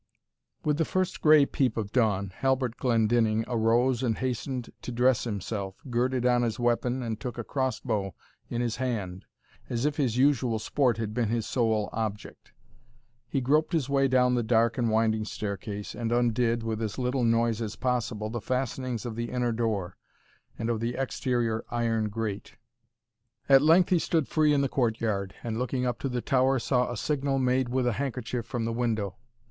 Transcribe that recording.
With the first gray peep of dawn, Halbert Glendinning arose and hastened to dress himself, girded on his weapon, and took a cross bow in his hand, as if his usual sport had been his sole object. He groped his way down the dark and winding staircase, and undid, with as little noise as possible, the fastenings of the inner door, and of the exterior iron grate. At length he stood free in the court yard, and looking up to the tower, saw a signal made with a handkerchief from the window.